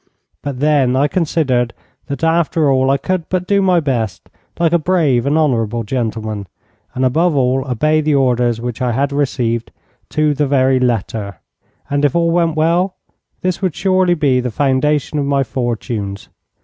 But then I considered that after all I could but do my best like a brave and honourable gentleman, and above all obey the orders which I had received, to the very letter. And, if all went well, this would surely be the foundation of my fortunes.